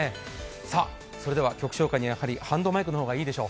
それでは、曲紹介にはハンドマイクの方がいいでしょう。